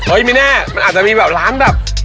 ไม่แน่มันอาจจะมีแบบร้านแบบ